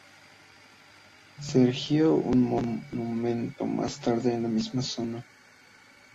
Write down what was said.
Se erigió un monumento más tarde en esa misma zona.